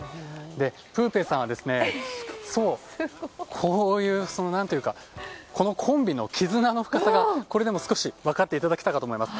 プーペーさんとこのコンビの絆の深さがこれで少し分かっていただけたと思います。